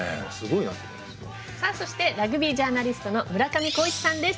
さあそしてラグビージャーナリストの村上晃一さんです。